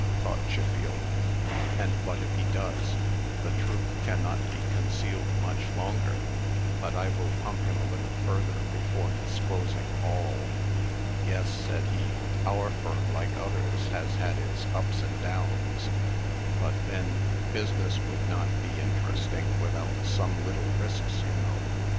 thought Chiffield. "And what if he does? The truth cannot be concealed much longer. But I will pump him a little further before disclosing all." "Yes," said he; "our firm, like others, has had its ups and downs; but then, business would not be interesting without some little risks, you know."